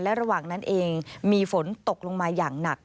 ระหว่างนั้นเองมีฝนตกลงมาอย่างหนัก